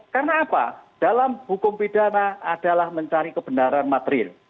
karena apa dalam hukum pidana adalah mencari kebenaran materil